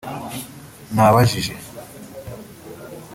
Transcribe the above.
Nabajije